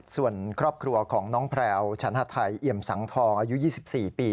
ส่วนครอบครัวของน้องแพรวฉันฮาไทยเอี่ยมสังทองอายุ๒๔ปี